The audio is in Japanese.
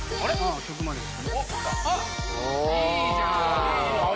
いいじゃん！